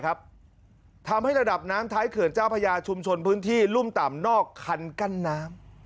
ทำให้ระดับน้ำท้ายเขื่อนเจ้าพญาชุมชนพื้นที่รุ่มต่ำนอกคันกั้นน้ำ